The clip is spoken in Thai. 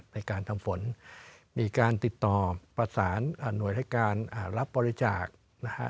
ในการทำฝนมีการติดต่อประสานหน่วยรายการรับบริจาคนะฮะ